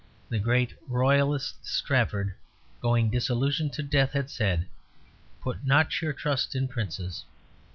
The great Royalist Strafford, going disillusioned to death, had said, "Put not your trust in princes."